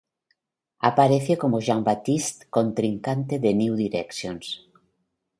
Apareció como Jean-Baptiste, contrincante de "New Directions".